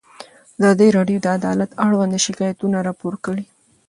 ازادي راډیو د عدالت اړوند شکایتونه راپور کړي.